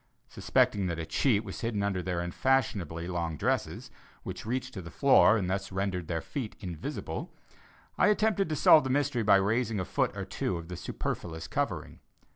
Suspecting that a cheat was hidden under their unfashionably long dresses, which reached to the floor and thus rendered their feet invisible, I attempted to solve the mystery by raising a foot or two of the superfluous covering.